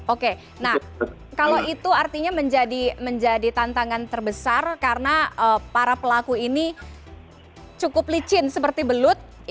oke nah kalau itu artinya menjadi tantangan terbesar karena para pelaku ini cukup licin seperti belut